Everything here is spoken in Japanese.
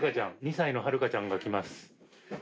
２歳の晴香ちゃんが来ます。